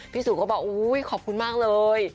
สู่ก็บอกอุ้ยขอบคุณมากเลย